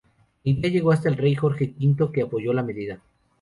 La idea llegó hasta el rey Jorge V, que apoyó la medida.